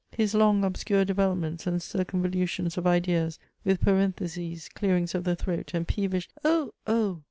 His long obscure developments and circumvolutions of ideas, with parentheses, clearing^ of the throat, and peevish oh ! oh